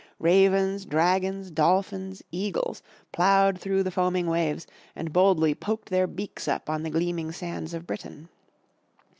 Ravens, dragons, dolphins, eagles, ploughed through the foaming waves and boldly poked their beaks up on the gleaming sands of Britain.